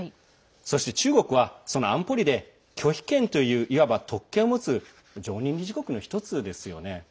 そして中国は、その安保理で拒否権という、いわば特権を持つ常任理事国の１つですよね。